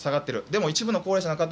でも一部の高齢者の方